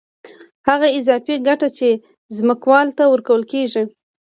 هغه اضافي ګټه چې ځمکوال ته ورکول کېږي